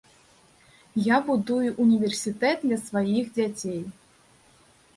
Я будую ўніверсітэт для сваіх дзяцей.